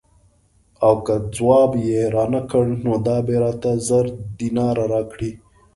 او که ځواب یې رانه کړ نو دا به راته زر دیناره راکړي.